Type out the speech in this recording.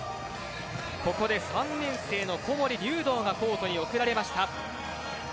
ここで３年生の小森琉童がコートに送られました。